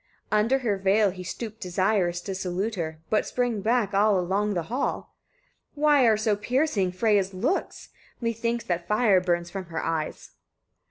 28. Under her veil he stooped desirous to salute her, but sprang back along the hall. "Why are so piercing Freyia's looks? Methinks that fire burns from her eyes."